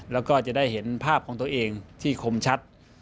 แล้วก็จะได้เห็นภาพของตัวเองที่คมชัด